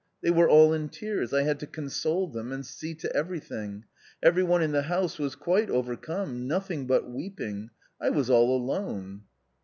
They were all in tears ; I had to console them and see to everything ; every one in the house was quite overcome, nothing but weeping. I was all alone."